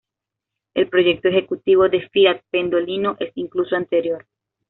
El proyecto ejecutivo de Fiat-Pendolino es incluso anterior.